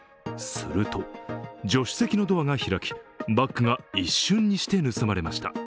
すると助手席のドアが開きバッグが一瞬にして盗まれました。